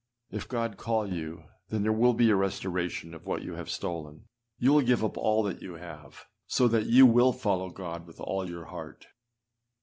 If God call you, there will be a restoration of what you have stolen? you will give up all that you have, so that you will follow God with all your heart.